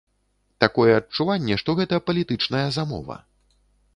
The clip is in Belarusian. Такое адчуванне, што гэта палітычная замова.